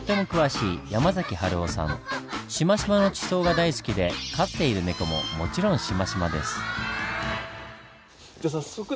シマシマの地層が大好きで飼っている猫ももちろんシマシマです。